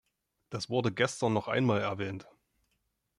Das wurde gestern noch einmal erwähnt.